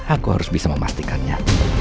aku harus bisa memastikannya